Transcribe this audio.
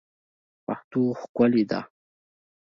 پښتو ښکلې ده